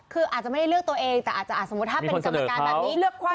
คืออาจจะไม่ได้เลือกตัวเองแต่อาจจะสมมุติถ้าเป็นกรรมการแบบนี้เลือกใคร